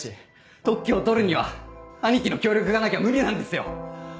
特許を取るには兄貴の協力がなきゃ無理なんですよ。